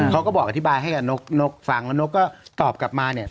เขาก็บอกอธิบายให้กับนกฟังแล้วนกก็ตอบกลับมาเนี่ย